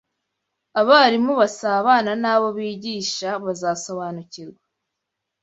abarimu basabana n’abo bigisha bazasobanukirwa